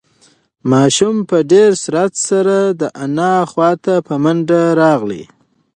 ماشوم په ډېر سرعت سره د انا خواته په منډه راغی.